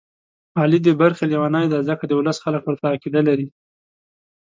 علي د برخې لېونی دی، ځکه د ولس خلک ورته عقیده لري.